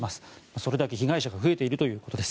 それだけ被害者が増えているということです。